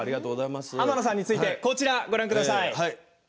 天野さんについてこちらをご覧ください。